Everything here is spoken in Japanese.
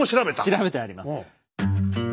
調べてあります。